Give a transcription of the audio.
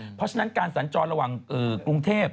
เพราะฉะนั้นการสัญจรระหว่างกรุงเทพ